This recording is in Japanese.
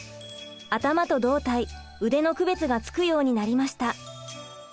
頭と胴体腕の区別がつくようになりました。